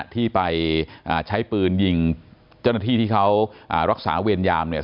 ที่ไปใช้ปืนยิงเจ้าหน้าที่ที่เขารักษาเวรยามเนี่ย